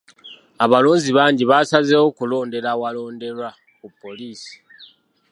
Abalonzi bangi baasazeewo kulondera awalonderwa ku poliisi.